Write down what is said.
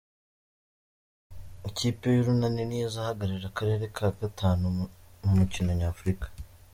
Ikipe y’Urunani niyo izahagararira akarere ka gatanu mu mikino nyafurika.